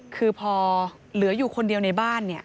คือพอเหลืออยู่คนเดียวในบ้าน